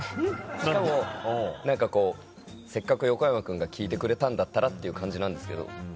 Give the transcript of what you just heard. しかも何かこうせっかく横山君が聞いてくれたんだったらっていう感じなんですけど。